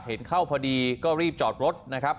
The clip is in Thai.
เห็นเข้าพอดีก็รีบจอดรถนะครับ